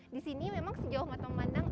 di sini memang sejauh mata memandang